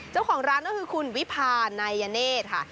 เจ้าของร้านก็คือคุณวิพานายเนธค่ะ